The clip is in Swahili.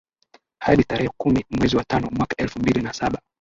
hadi tarehe kumi mwezi wa tano mwaka elfu mbili na saba